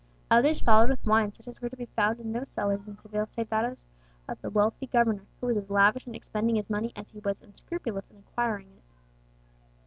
Others followed with wines such as were to be found in no cellars in Seville save those of the wealthy governor, who was as lavish in expending his money as he was unscrupulous in acquiring it.